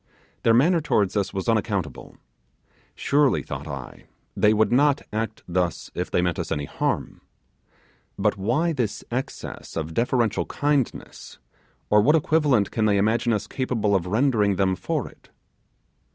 Their manner towards us was unaccountable. Surely, thought I, they would not act thus if they meant us any harm. But why this excess of deferential kindness, or what equivalent can they imagine us capable of rendering them for it?